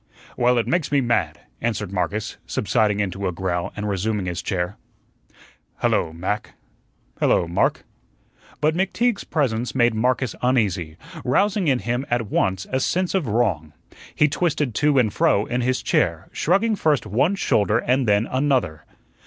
"Well, it makes me mad," answered Marcus, subsiding into a growl and resuming his chair. "Hullo, Mac." "Hullo, Mark." But McTeague's presence made Marcus uneasy, rousing in him at once a sense of wrong. He twisted to and fro in his chair, shrugging first one shoulder and then another.